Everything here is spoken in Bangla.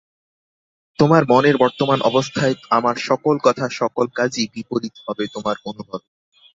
তোমার মনের বর্তমান অবস্থায় আমার সকল কথা সকল কাজই বিপরীত হবে তোমার অনুভবে।